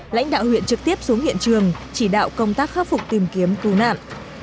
lãnh đạo huyện trực tiếp xuống hiện trường chỉ đạo công tác khắc phục tìm kiếm cứu nạn